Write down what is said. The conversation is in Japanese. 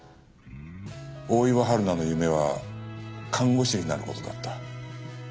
大岩春菜の夢は看護師になる事だった。